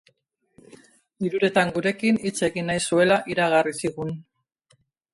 Hiruretan gurekin hitz egin nahi zuela iragarri zigun.